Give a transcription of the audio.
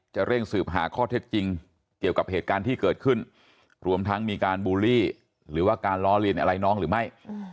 เร่งสืบหาข้อเท็จจริงเกี่ยวกับเหตุการณ์ที่เกิดขึ้นรวมทั้งมีการบูลลี่หรือว่าการล้อเลียนอะไรน้องหรือไม่